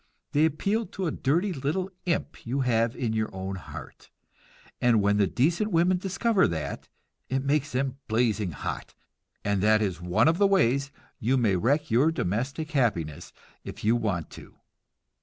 They appeal to a dirty little imp you have in your own heart, and when the decent women discover that, it makes them blazing hot, and that is one of the ways you may wreck your domestic happiness if you want to.